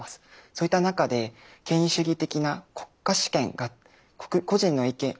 そういった中で権威主義的な国家主権が個人の意見